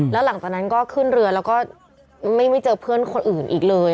แล้วหลังจากนั้นก็ขึ้นเรือแล้วก็ไม่เจอเพื่อนคนอื่นอีกเลย